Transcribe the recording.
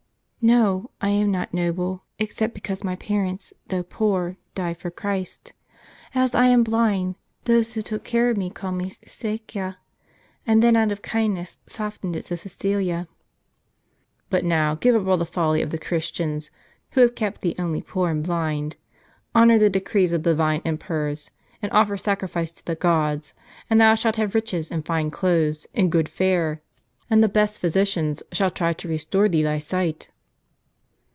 "" No ; I am not noble ; except because my parents, though poor, died for Christ. As I am blind, those who took care of me called me Cceca* and then, out of kindness, softened it into Csecilia." " But now, give up all this folly of the Christians, who have kept thee only poor and blind. Honor the decrees of the divine emperors, and oifer sacrifice to the gods; and thou shalt have riches, and fine clothes, and good fare; and the best physicians shall try to restore thee thy sight."